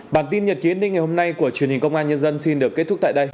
bản tin nhật ký an ninh ngày hôm nay của truyền hình công an nhân dân xin được kết thúc tại đây